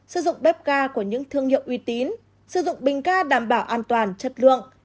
sử dụng bếp ga của những thương hiệu uy tín sử dụng bình ga đảm bảo an toàn chất lượng